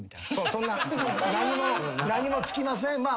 「何もつきません」